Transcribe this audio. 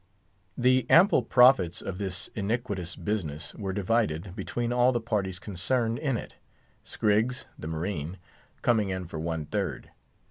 The ample profits of this iniquitous business were divided, between all the parties concerned in it; Scriggs, the marine, coming in for one third.